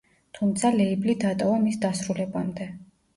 თუმცა, ლეიბლი დატოვა მის დასრულებამდე.